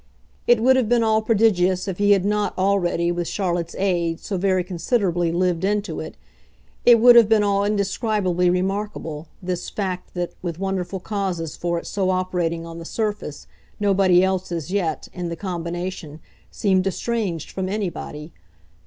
It would have been all prodigious if he had not already, with Charlotte's aid, so very considerably lived into it it would have been all indescribably remarkable, this fact that, with wonderful causes for it so operating on the surface, nobody else, as yet, in the combination, seemed estranged from anybody.